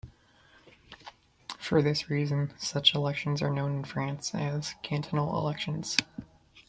For this reason, such elections are known in France as "cantonal elections".